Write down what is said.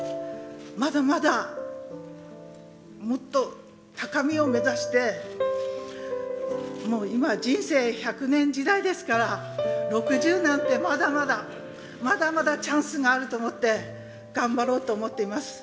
まだまだもっと高みを目指してもう今人生百年時代ですから６０なんてまだまだまだまだチャンスがあると思って頑張ろうと思っています。